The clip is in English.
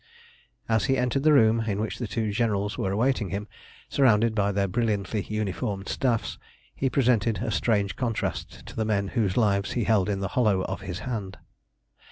As he entered the room in which the two generals were awaiting him, surrounded by their brilliantly uniformed staffs, he presented a strange contrast to the men whose lives he held in the hollow of his hand.